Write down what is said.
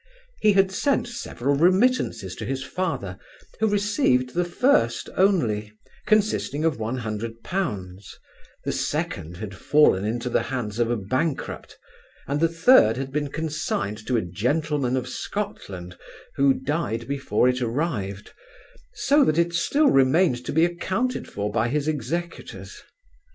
He had sent several remittances to his father, who received the first only, consisting of one hundred pounds; the second had fallen into the hands of a bankrupt; and the third had been consigned to a gentleman of Scotland, who died before it arrived; so that it still remained to be accounted for by his executors.